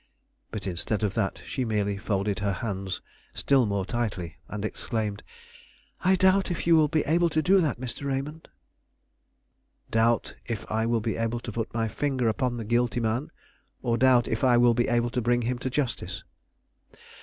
But instead of that, she merely folded her hands still more tightly and exclaimed: "I doubt if you will be able to do that, Mr. Raymond." "Doubt if I will be able to put my finger upon the guilty man, or doubt if I will be able to bring him to justice?"